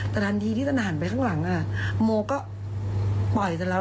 แต่ทันทีที่ตันหันไปข้างหลังโมก็ปล่อยซะแล้ว